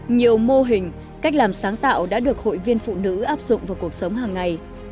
nhiều mô hình cách làm sáng tạo đã được hội viên phụ nữ áp dụng vào cuộc sống hàng ngày